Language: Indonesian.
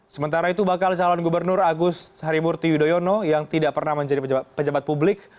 sementara itu bakal calon gubernur agus harimurti yudhoyono yang tidak pernah menjadi pejabat publik